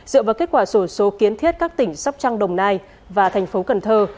dựa vào kết quả sổ số kiến thiết các tỉnh sóc trăng đồng nai và thành phố cần thơ